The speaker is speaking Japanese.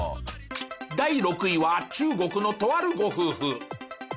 第６位は中国のとあるご夫婦。